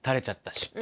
失敗。